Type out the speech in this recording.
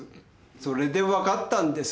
それで分かったんです。